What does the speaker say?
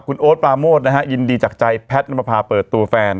คุณโอ๊ตปราโมทนะฮะยินดีจากใจแพทย์นำมาพาเปิดตัวแฟน